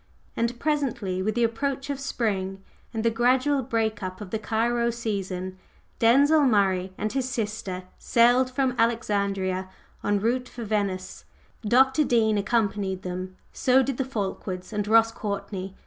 And presently, with the approach of spring, and the gradual break up of the Cairo "season," Denzil Murray and his sister sailed from Alexandria en route for Venice. Dr. Dean accompanied them; so did the Fulkewards and Ross Courtney.